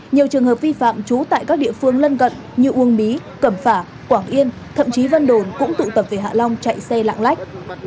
nhiều trường hợp vi phạm trú tại các địa phương lân cận như uông bí cẩm phả quảng yên thậm chí vân đồn cũng tụ tập về hạ long chạy xe lạng lách